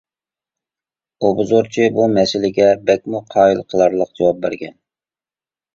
ئوبزورچى بۇ مەسىلىگە بەكمۇ قايىل قىلارلىق جاۋاب بەرگەن.